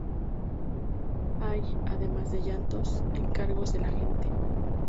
Hay, además de llantos, encargos de la gente.